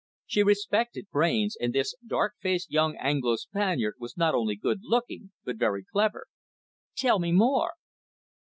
She respected brains, and this dark faced young Anglo Spaniard was not only good looking, but very clever. "Tell me some more."